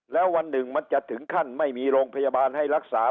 แล้ววันหนึ่งมันจะถึงขั้นไม่มีโรงพยาบาลให้รักษา